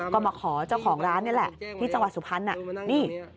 ก็มาขอเจ้าของร้านนี่แหละที่จังหวัดสุพรรณนี่